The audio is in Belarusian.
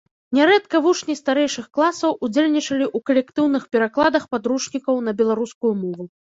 Нярэдка вучні старэйшых класаў удзельнічалі ў калектыўных перакладах падручнікаў на беларускую мову.